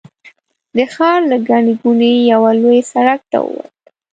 د ښار له ګڼې ګوڼې یوه لوی سړک ته ووت.